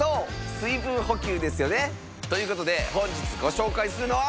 水分補給ですよね。ということで本日ご紹介するのは。